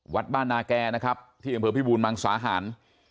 วัดบ้านนาแก่นะครับที่อำเภอพิบูรมังสาหาร